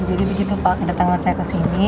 jadi begitu pak kedatangan saya kesini